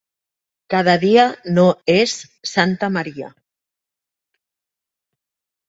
Cada dia no és Santa Maria.